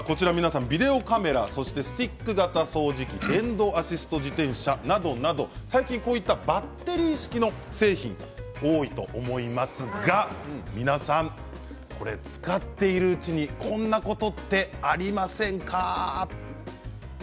続いてビデオカメラそしてスティック型掃除機電動アシスト自転車など最近はバッテリー式の製品多いと思いますが皆さん、使っているうちにこんなことってありませんか。